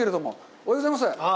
おはようございます。